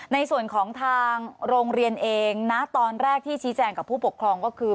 ในส่วนของทางโรงเรียนเองนะตอนแรกที่ชี้แจงกับผู้ปกครองก็คือ